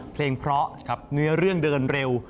เพลงเพราะครับเนื้อเรื่องเดินเร็ว